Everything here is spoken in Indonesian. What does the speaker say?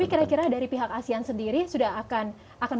tapi kira kira dari pihak asean sendiri sudah akan